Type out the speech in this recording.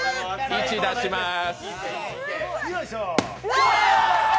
１出しまーす。